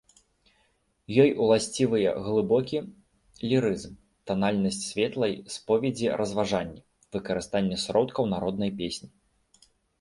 Ёй уласцівыя глыбокі лірызм, танальнасць светлай споведзі-разважанні, выкарыстанне сродкаў народнай песні.